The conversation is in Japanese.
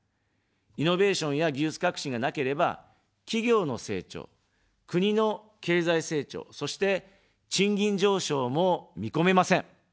イノベーションや技術革新がなければ、企業の成長、国の経済成長、そして、賃金上昇も見込めません。